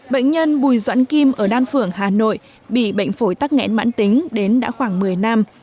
bệnh nhân bùi doãn kim ở đan phưởng hà nội bị bệnh phổi tắc nghẽn mãn tính đến đã khoảng một mươi năm